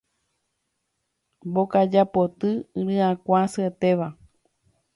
Mbokaja poty ryakuã asyetéva